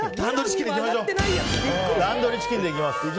タンドリーチキンで行きます。